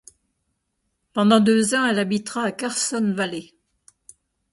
Pendant deux ans elle habitera à Carson Valley.